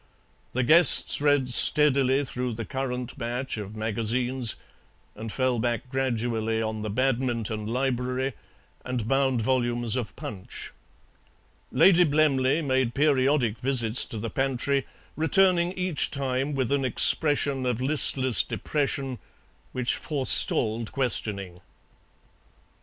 The guests read steadily through the current batch of magazines, and fell back gradually, on the "Badminton Library" and bound volumes of PUNCH. Lady Blemley made periodic visits to the pantry, returning each time with an expression of listless depression which forestalled questioning.